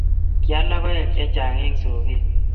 kial lokoek chechang' eng' soket.